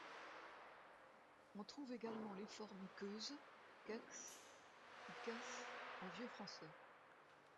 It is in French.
On trouve également les formes Queuz, Kex ou Kés en vieux français.